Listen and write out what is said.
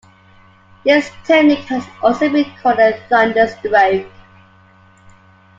This technique has also been called a "thunder stroke".